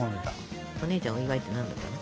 お姉ちゃんお祝いって何だったの？